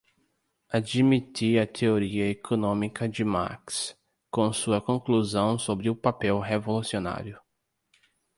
admitir a teoria econômica de Marx, com sua conclusão sobre o papel revolucionário